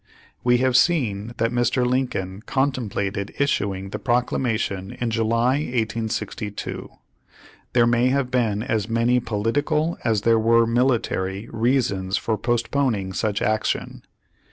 We have seen that Mr. Lincoln contemplated is suing the Proclamation in July 1862. There may have been as many political as there were military reasons for postponing such action.